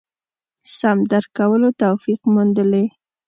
سم درک کولو توفیق موندلي.